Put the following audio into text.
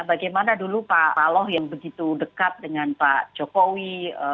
bagaimana dulu pak aloh yang begitu dekat dengan pak jokowi